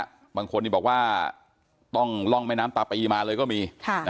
บางคนบอกว่าต้องล่องแม่น้ำตาปีมาเลยก็มี